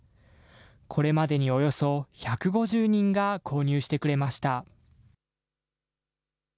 これまでにおよそ１５０人が購入してくれました。